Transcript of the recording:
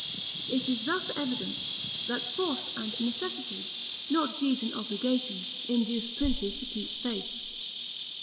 It is thus evident, that force and necessity, not deeds and obligations, induce princes to keep faith.